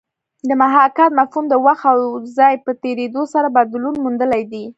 د محاکات مفهوم د وخت او ځای په تېرېدو سره بدلون موندلی دی